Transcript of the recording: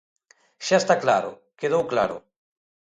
Xa está claro, quedou claro.